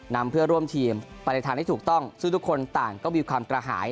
นำเพื่อร่วมทีมไปในทางที่ถูกต้องซึ่งทุกคนต่างก็มีความกระหาย